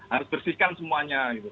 harus bersihkan semuanya